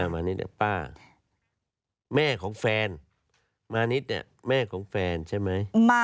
แม่ของแฟนแม่ของแฟนใช่ไหม